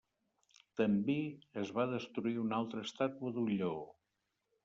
També es va destruir una altra estàtua d'un lleó.